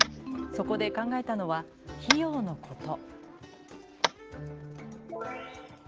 そこで考えたのは、費用のこと。